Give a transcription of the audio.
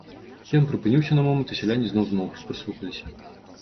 Ён прыпыніўся на момант, і сяляне зноў змоўклі, прыслухаліся.